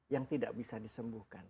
yang tidak bisa disembuhkan